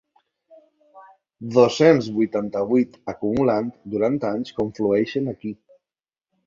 Dos-cents vuitanta-vuit acumulant durant anys conflueixen aquí.